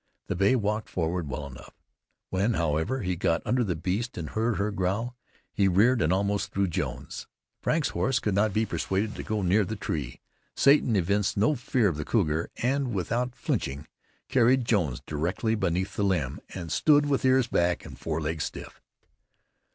The bay walked forward well enough; when, however, he got under the beast and heard her growl, he reared and almost threw Jones. Frank's horse could not be persuaded to go near the tree. Satan evinced no fear of the cougar, and without flinching carried Jones directly beneath the limb and stood with ears back and forelegs stiff.